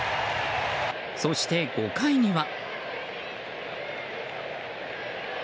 そして、５回には。